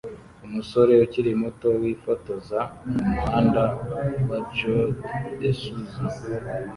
Umusore ukiri muto wifotoza mumuhanda wa Joao de Souza